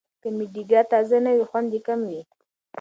که مډیګا تازه نه وي، خوند یې کم وي.